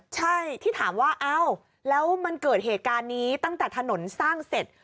ใช่ที่ถามว่าอ้าวแล้วมันเกิดเหตุการณ์นี้ตั้งแต่ถนนสร้างเสร็จ